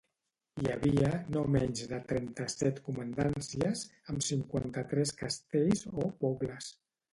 Hi havia no menys de trenta-set comandàncies, amb cinquanta-tres castells o pobles.